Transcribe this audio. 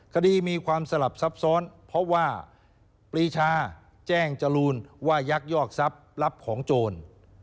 คดีมีความสลับซับซ้อนเพราะว่าปรีชาแจ้งจรูนว่ายักยอกทรัพย์รับของโจร